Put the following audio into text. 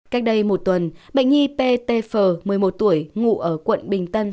cách đây một tuần bệnh nhi ptf một mươi một tuổi ngủ ở quận bình tân tp hcm